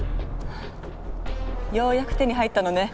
はぁようやく手に入ったのね。